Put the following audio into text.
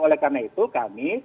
oleh karena itu kami